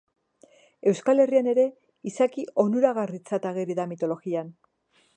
Euskal Herrian ere izaki onuragarritzat ageri da mitologian.